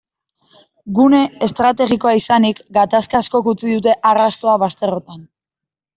Gune estrategikoa izanik, gatazka askok utzi dute arrastoa bazterrotan.